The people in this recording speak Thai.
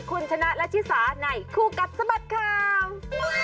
คุณชนะและชิสาในคู่กัดสะบัดข่าว